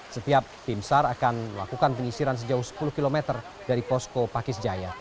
setiap tim sar akan melakukan penyisiran sejauh sepuluh km dari posko pakis jaya